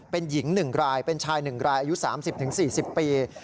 เป็นหญิงหนึ่งรายเป็นชายหนึ่งรายอายุสามสิบถึงสี่สิบปี